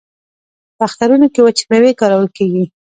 په اخترونو کې وچې میوې کارول کیږي.